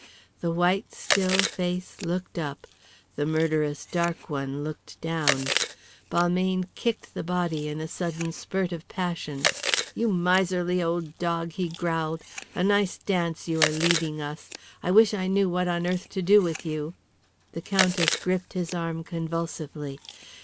The white, still face looked up, the murderous dark one looked down. Balmayne kicked the body in a sudden spurt of passion. "You miserly old dog," he growled. "A nice dance you are leading us. I wish I knew what on earth to do with you." The Countess gripped his arm convulsively.